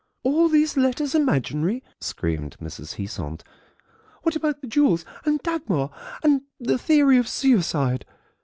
"Are these letters imaginary?" screamed Mrs. Heasant; "what about the jewels, and Dagmar, and the theory of suicide?"